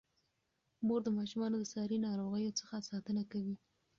مور د ماشومانو د ساري ناروغیو څخه ساتنه کوي.